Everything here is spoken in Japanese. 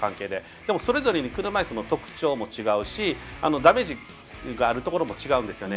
でも、それぞれに車いすの特徴も違うしダメージがあるところも違うんですよね。